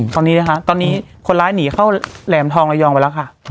ตอนนี้นะคะตอนนี้คนร้ายหนีเข้าแหลมทองระยองไปแล้วค่ะ